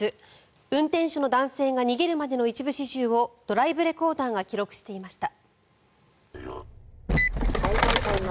運転手の男性が逃げるまでの一部始終をドライブレコーダーが記録していました。